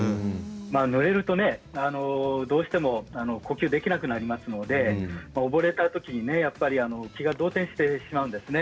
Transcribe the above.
ぬれると、どうしても呼吸ができなくなりますので溺れたときに気が動転してしまうんですね。